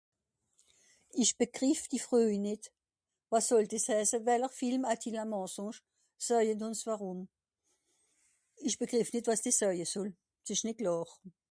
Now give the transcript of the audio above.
isch begriff die Freuje nìt wàs sòll des heisse weller Film à-t-il un mensonge seuje ùns wàrùm ìsch begrìff nìt wàs des seuje soll s'esch nìt klàr